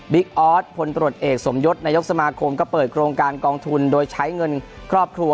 ออสพลตรวจเอกสมยศนายกสมาคมก็เปิดโครงการกองทุนโดยใช้เงินครอบครัว